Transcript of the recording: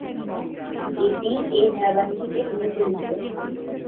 এটি এই ধারাবাহিকটির মূল চরিত্র।